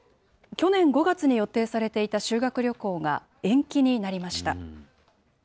去年５月に予定されていた修学旅行が延期になりました。